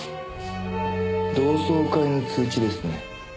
同窓会の通知ですね。